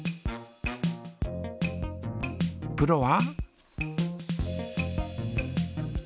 プロは？